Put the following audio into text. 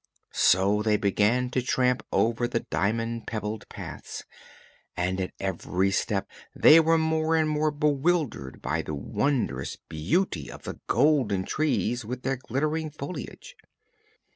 So they began to tramp over the diamond pebbled paths, and at every step they were more and more bewildered by the wondrous beauty of the golden trees with their glittering foliage.